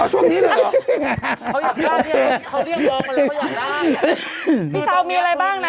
เอาช่วงนี้เลยเหรอเขาอยากได้เขาเรียกบอกมันเลยเขาอยากได้